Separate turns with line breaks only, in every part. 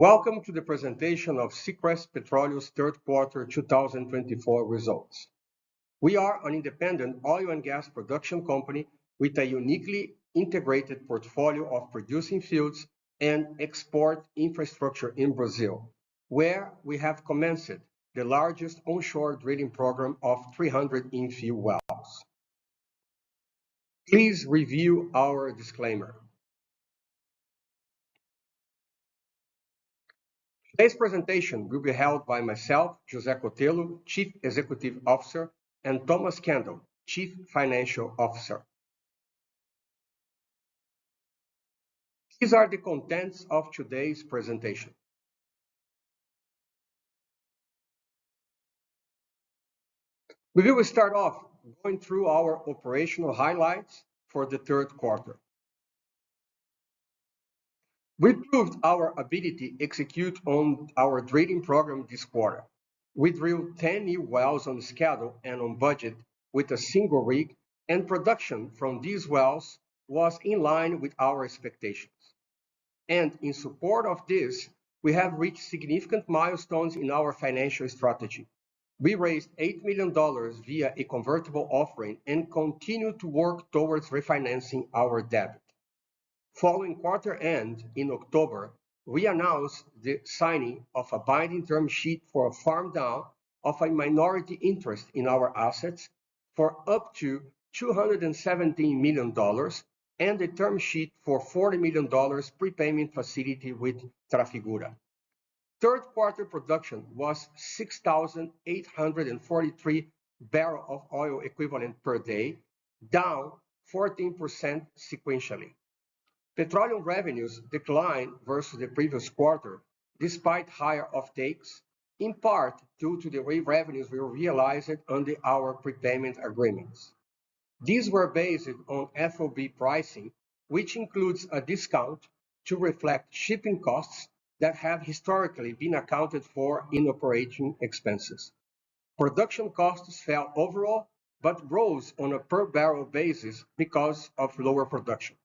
Welcome to the presentation of Seacrest Petroleo's Third Quarter 2024 Results. We are an independent oil and gas production company with a uniquely integrated portfolio of producing fields and export infrastructure in Brazil, where we have commenced the largest onshore drilling program of 300 infill wells. Please review our disclaimer. Today's presentation will be held by myself, José Cotello, Chief Executive Officer, and Thomas Kandel, Chief Financial Officer. These are the contents of today's presentation. We will start off going through our operational highlights for the third quarter. We proved our ability to execute on our drilling program this quarter. We drilled 10 new wells on schedule and on budget with a single rig, and production from these wells was in line with our expectations, and in support of this, we have reached significant milestones in our financial strategy. We raised $8 million via a convertible offering and continue to work towards refinancing our debt. Following quarter end in October, we announced the signing of a binding term sheet for a farm down of a minority interest in our assets for up to $217 million and a term sheet for $40 million prepayment facility with Trafigura. Third quarter production was 6,843 barrels of oil equivalent per day, down 14% sequentially. Petroleum revenues declined versus the previous quarter despite higher offtakes, in part due to the revenues we realized under our prepayment agreements. These were based on FOB pricing, which includes a discount to reflect shipping costs that have historically been accounted for in operating expenses. Production costs fell overall but rose on a per barrel basis because of lower production.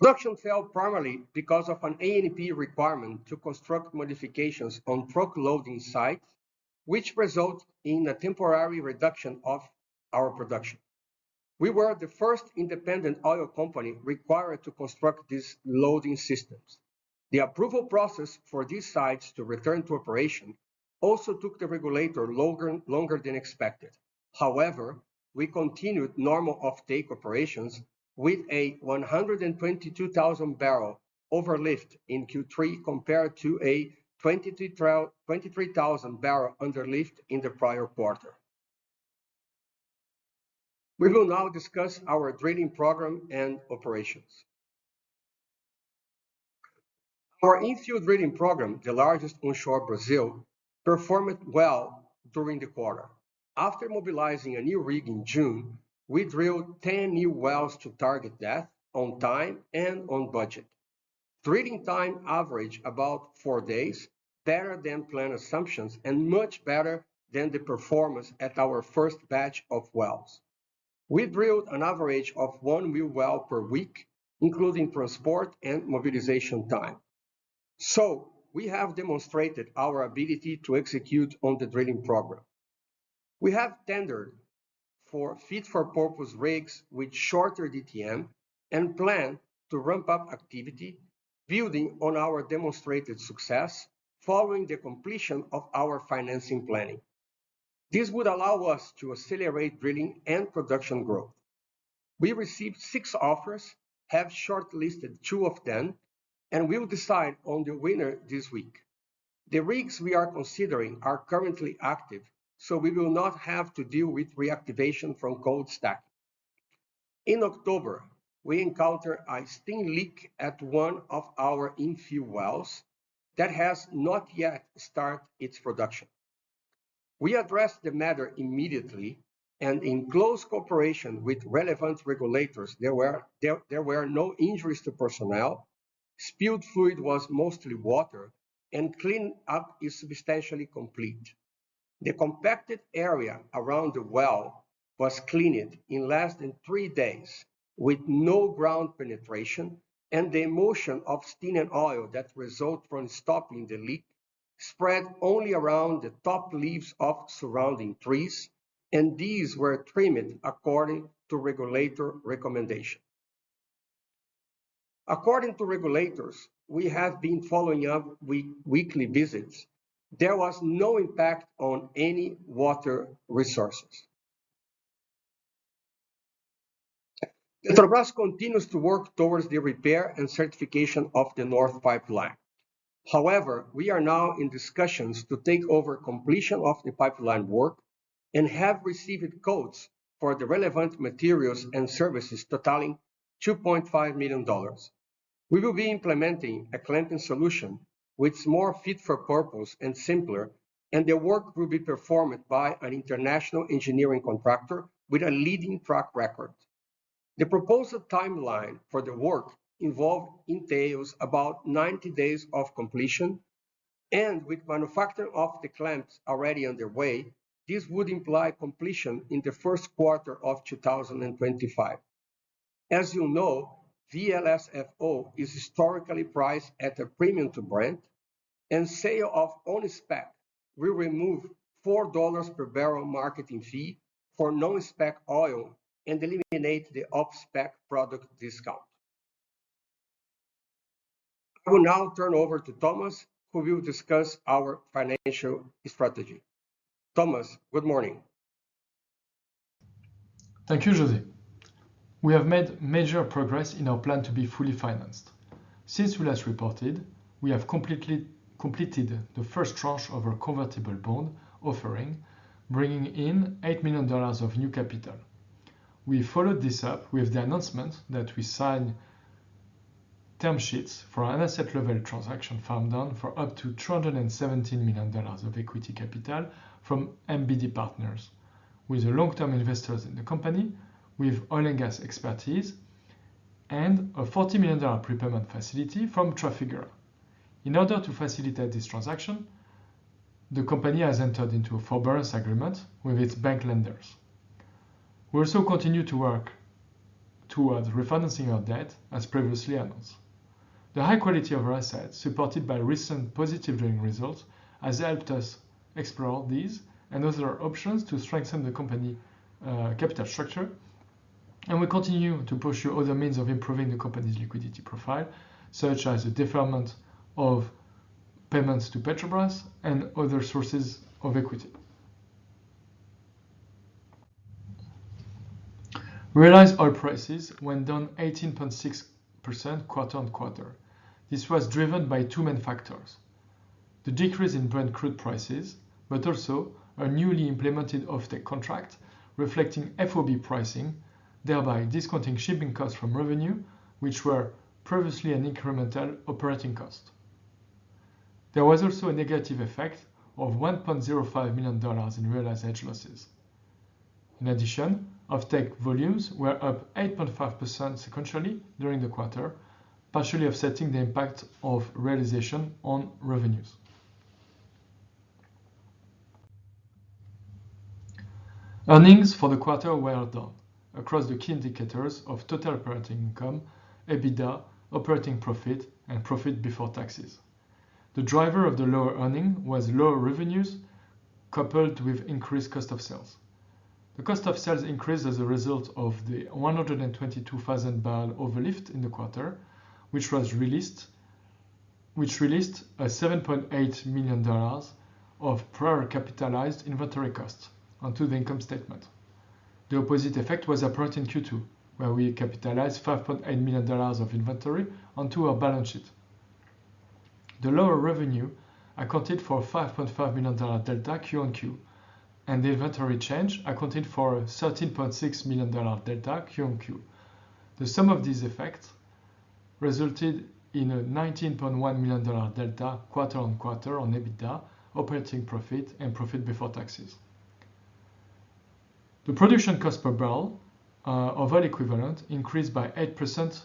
Production fell primarily because of an ANP requirement to construct modifications on truck loading sites, which resulted in a temporary reduction of our production. We were the first independent oil company required to construct these loading systems. The approval process for these sites to return to operation also took the regulator longer than expected. However, we continued normal offtake operations with a 122,000 barrel overlift in Q3 compared to a 23,000 barrel underlift in the prior quarter. We will now discuss our drilling program and operations. Our infill drilling program, the largest onshore Brazil, performed well during the quarter. After mobilizing a new rig in June, we drilled 10 new wells to target depth on time and on budget. Drilling time averaged about four days, better than planned assumptions and much better than the performance at our first batch of wells. We drilled an average of one new well per week, including transport and mobilization time. So we have demonstrated our ability to execute on the drilling program. We have tendered for fit-for-purpose rigs with shorter DTM and plan to ramp up activity, building on our demonstrated success following the completion of our financing planning. This would allow us to accelerate drilling and production growth. We received six offers, have shortlisted two of them, and we will decide on the winner this week. The rigs we are considering are currently active, so we will not have to deal with reactivation from cold stack. In October, we encountered a steam leak at one of our infill wells that has not yet started its production. We addressed the matter immediately and, in close cooperation with relevant regulators, there were no injuries to personnel. Spilled fluid was mostly water, and cleanup is substantially complete. The compacted area around the well was cleaned in less than three days with no ground penetration, and the emulsion of steam and oil that resulted from stopping the leak spread only around the top leaves of surrounding trees, and these were trimmed according to regulator recommendation. According to regulators, we have been following up with weekly visits. There was no impact on any water resources. Petrobras continues to work towards the repair and certification of the North Pipeline. However, we are now in discussions to take over completion of the pipeline work and have received quotes for the relevant materials and services totaling $2.5 million. We will be implementing a clamping solution which is more fit for purpose and simpler, and the work will be performed by an international engineering contractor with a leading track record. The proposed timeline for the work involved entails about 90 days of completion, and with manufacturing of the clamps already underway, this would imply completion in the first quarter of 2025. As you know, VLSFO is historically priced at a premium to Brent, and sale of on-spec will remove $4 per barrel marketing fee for non-spec oil and eliminate the off-spec product discount. I will now turn over to Thomas, who will discuss our financial strategy. Thomas, good morning.
Thank you, José. We have made major progress in our plan to be fully financed. Since we last reported, we have completed the first tranche of our convertible bond offering, bringing in $8 million of new capital. We followed this up with the announcement that we signed term sheets for an asset-level transaction farm down for up to $217 million of equity capital from MBD Partners, with long-term investors in the company with oil and gas expertise, and a $40 million prepayment facility from Trafigura. In order to facilitate this transaction, the company has entered into a forbearance agreement with its bank lenders. We also continue to work towards refinancing our debt, as previously announced. The high quality of our assets, supported by recent positive drilling results, has helped us explore these and other options to strengthen the company capital structure, and we continue to pursue other means of improving the company's liquidity profile, such as the deferment of payments to Petrobras and other sources of equity. We realized our prices went down 18.6% quarter on quarter. This was driven by two main factors: the decrease in Brent crude prices, but also a newly implemented offtake contract reflecting FOB pricing, thereby discounting shipping costs from revenue, which were previously an incremental operating cost. There was also a negative effect of $1.05 million in realized hedge losses. In addition, offtake volumes were up 8.5% sequentially during the quarter, partially offsetting the impact of realization on revenues. Earnings for the quarter were down across the key indicators of total operating income, EBITDA, operating profit, and profit before taxes. The driver of the lower earnings was lower revenues coupled with increased cost of sales. The cost of sales increased as a result of the 122,000 barrel overlift in the quarter, which released a $7.8 million of prior capitalized inventory costs onto the income statement. The opposite effect was apparent in Q2, where we capitalized $5.8 million of inventory onto our balance sheet. The lower revenue accounted for $5.5 million delta Q on Q, and the inventory change accounted for $13.6 million delta Q on Q. The sum of these effects resulted in a $19.1 million delta quarter on quarter on EBITDA, operating profit, and profit before taxes. The production cost per barrel of oil equivalent increased by 8%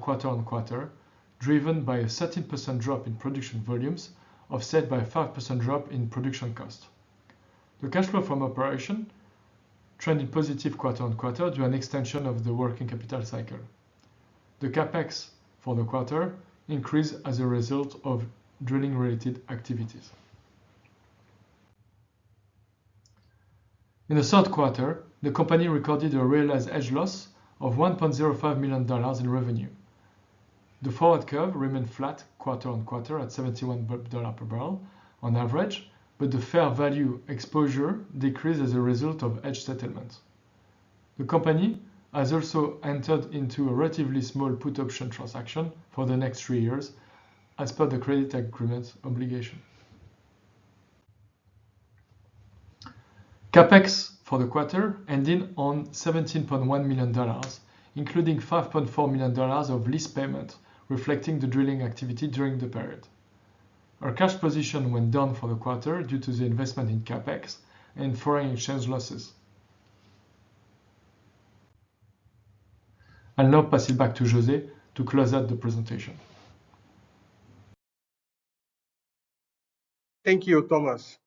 quarter on quarter, driven by a 17% drop in production volumes offset by a 5% drop in production cost. The cash flow from operation trended positive quarter on quarter due to an extension of the working capital cycle. The CapEx for the quarter increased as a result of drilling-related activities. In the third quarter, the company recorded a realized hedge loss of $1.05 million in revenue. The forward curve remained flat quarter on quarter at $71 per barrel on average, but the fair value exposure decreased as a result of hedge settlement. The company has also entered into a relatively small put option transaction for the next three years as per the credit agreement obligation. CapEx for the quarter ended on $17.1 million, including $5.4 million of lease payment reflecting the drilling activity during the period. Our cash position went down for the quarter due to the investment in Capex and foreign exchange losses. I'll now pass it back to José to close out the presentation.
Thank you, Thomas.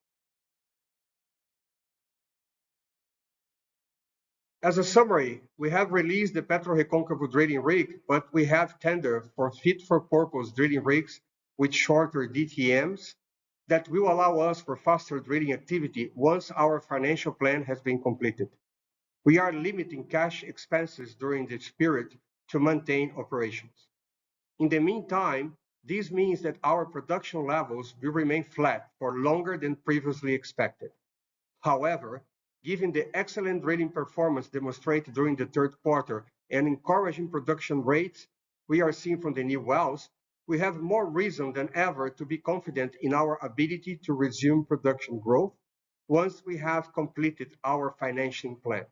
As a summary, we have released the PetroReconcavo drilling rig, but we have tendered for fit-for-purpose drilling rigs with shorter DTMs that will allow us for faster drilling activity once our financial plan has been completed. We are limiting cash expenses during this period to maintain operations. In the meantime, this means that our production levels will remain flat for longer than previously expected. However, given the excellent drilling performance demonstrated during the third quarter and encouraging production rates we are seeing from the new wells, we have more reason than ever to be confident in our ability to resume production growth once we have completed our financial plan.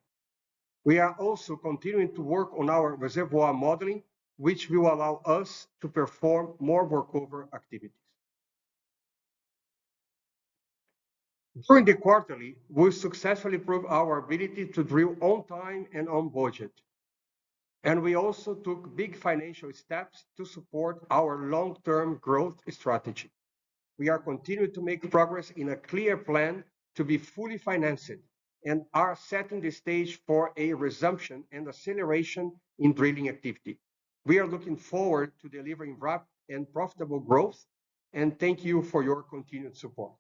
We are also continuing to work on our reservoir modeling, which will allow us to perform more workover activities. During the quarter, we successfully proved our ability to drill on time and on budget, and we also took big financial steps to support our long-term growth strategy. We are continuing to make progress in a clear plan to be fully financed and are setting the stage for a resumption and acceleration in drilling activity. We are looking forward to delivering rapid and profitable growth, and thank you for your continued support.